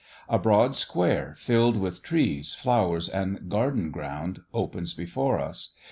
A broad square, filled with trees, flowers, and garden ground, opens before us.